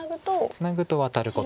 ツナぐとワタることが。